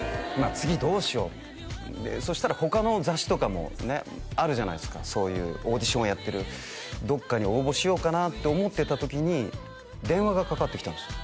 次どうしようそしたら他の雑誌とかもねあるじゃないですかそういうオーディションをやってるどっかに応募しようかなって思ってた時に電話がかかってきたんですよ